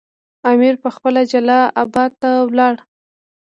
امیر پخپله جلال اباد ته ولاړ.